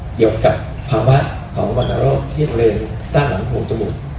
เกี่ยวกับภาวะวรรณโรคหลังถงจมูก